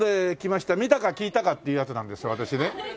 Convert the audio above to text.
見たか聞いたかっていうヤツなんですよ私ね。